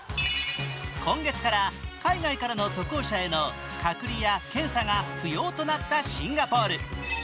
今月から海外からの渡航者への隔離や検査が不要となったシンガポール。